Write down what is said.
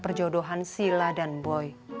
perjodohan sila dan boy